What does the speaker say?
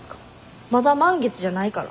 まだ満月じゃないから。